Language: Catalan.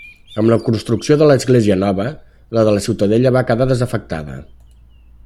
Amb la construcció de l'església nova, la de la ciutadella va quedar desafectada.